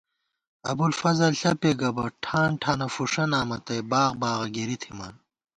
ابُوالفضل ݪپےگہ بہ ٹھانٹھانہ فُݭہ نامہ تئ باغ باغہ گِری تھِمان